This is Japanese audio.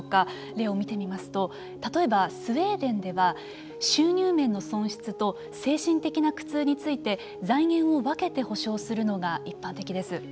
例を見てみますと例えばスウェーデンでは収入面の損失と精神的な苦痛について財源を分けて補償するのが一般的です。